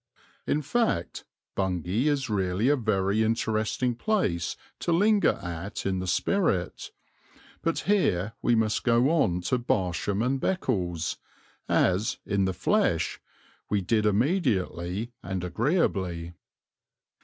In fact, Bungay is really a very interesting place to linger at in the spirit; but here we must go on to Barsham and Beccles, as, in the flesh, we did immediately and agreeably.